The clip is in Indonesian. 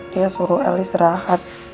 dia suruh el istirahat